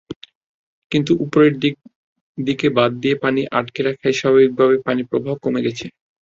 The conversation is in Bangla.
কিন্তু ওপরের দিকে বাঁধ দিয়ে পানি আটকে রাখায় স্বাভাবিকভাবেই পানিপ্রবাহ কমে গেছে।